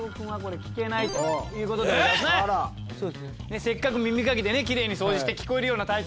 せっかく耳かきでね奇麗に掃除して聞こえるような体勢。